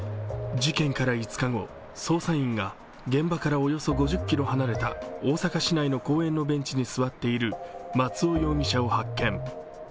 事件から５日後、捜査員が現場からおよそ５０ｋｍ離れた大阪市内の公園のベンチに座っている松尾容疑者を発見。